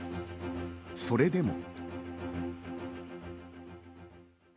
それでも。